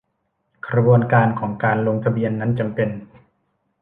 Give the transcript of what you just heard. กระบวนการของการลงทะเบียนนั้นจำเป็น